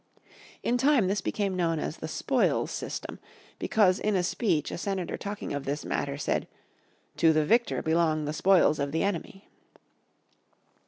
In time this became known as the "spoils system," because in a speech a senator talking of this matter said, "to the victor belongs the spoils of the enemy."